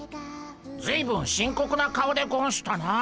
ずいぶん深刻な顔でゴンしたなあ。